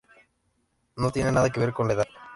No tiene nada que ver con la edad".